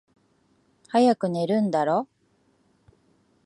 早く寝るんだろ？